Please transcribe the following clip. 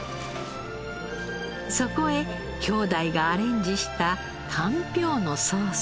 そこへ兄弟がアレンジしたかんぴょうのソース。